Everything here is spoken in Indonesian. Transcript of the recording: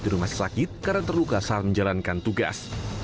di rumah sakit karena terluka saat menjalankan tugas